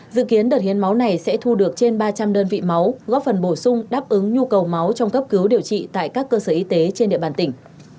dự kiến đợt hiến máu này sẽ thu được trên ba trăm linh đơn vị máu góp phần bổ sung đáp ứng nhu cầu máu trong cấp cứu điều trị tại các cơ sở y tế trên địa bàn tỉnh